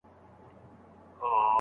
چي سړی یې په هیڅ توګه په تعبیر نه پوهیږي